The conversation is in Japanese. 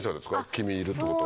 君いるってことは。